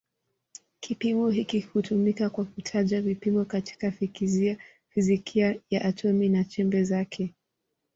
Kipimo hiki hutumiwa kwa kutaja vipimo katika fizikia ya atomi na chembe zake.